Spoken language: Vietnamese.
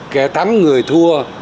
kẻ thắng người thua